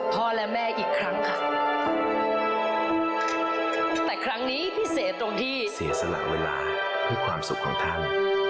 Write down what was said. แต่ครั้งนี้พิเศษตรงที่เสียสละเวลาเพื่อความสุขของท่าน